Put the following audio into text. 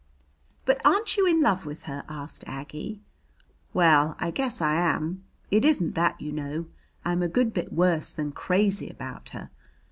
"But aren't you in love with her?" asked Aggie. "Well, I guess I am. It isn't that, you know. I'm a good bit worse than crazy about her.